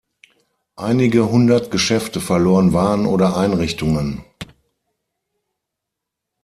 Einige Hundert Geschäfte verloren Waren oder Einrichtungen.